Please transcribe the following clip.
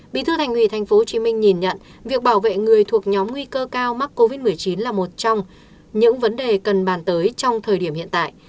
bí thư thành ủy tp hcm nhìn nhận việc bảo vệ người thuộc nhóm nguy cơ cao mắc covid một mươi chín là một trong những vấn đề cần bàn tới trong thời điểm hiện tại